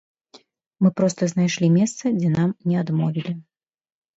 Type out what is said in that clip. Мы проста знайшлі месца, дзе нам не адмовілі.